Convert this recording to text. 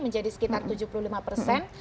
menjadi sekitar tujuh puluh lima persen